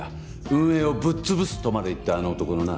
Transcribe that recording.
運営をぶっ潰すとまで言ったあの男のな。